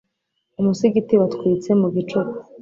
Umusigiti watwitse mu gicuku